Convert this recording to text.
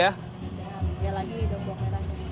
ya lagi bawang merah